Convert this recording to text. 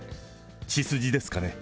血筋ですかね。